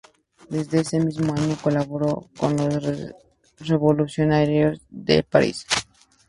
Desde ese mismo año colabora con los revolucionarios de París.